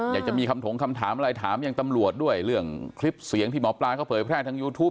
อยากจะมีคำถงคำถามอะไรถามยังตำรวจด้วยเรื่องคลิปเสียงที่หมอปลาเขาเผยแพร่ทางยูทูป